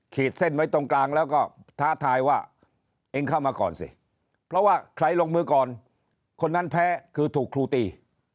เส้นไว้ตรงกลางแล้วก็ท้าทายว่าเองเข้ามาก่อนสิเพราะว่าใครลงมือก่อนคนนั้นแพ้คือถูกครูตี